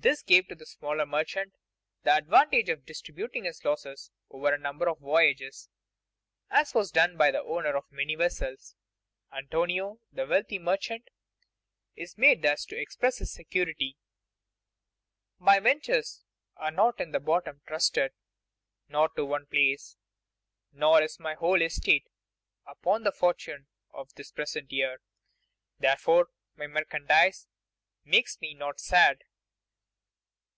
This gave to the smaller merchant the advantage of distributing his losses over a number of voyages, as was done by the owner of many vessels. Antonio, the wealthy merchant, is made thus to express his security: "My ventures are not in one bottom trusted Nor to one place; nor is my whole estate Upon the fortune of this present year. Therefore my merchandise makes me not sad."